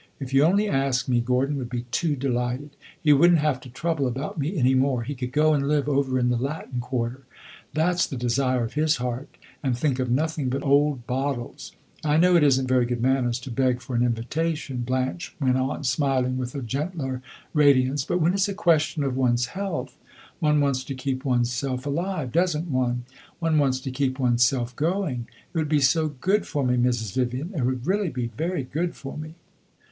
If you only ask me, Gordon would be too delighted. He would n't have to trouble about me any more. He could go and live over in the Latin Quarter that 's the desire of his heart and think of nothing but old bottles. I know it is n't very good manners to beg for an invitation," Blanche went on, smiling with a gentler radiance; "but when it 's a question of one's health. One wants to keep one's self alive does n't one? One wants to keep one's self going. It would be so good for me, Mrs. Vivian; it would really be very good for me!"